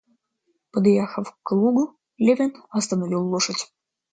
Подъехав к лугу, Левин остановил лошадь.